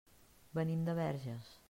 Venim de Verges.